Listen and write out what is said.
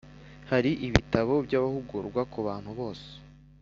Hari ibitabo by’abahugurwa ku bantu bose